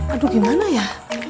aduh gimana ya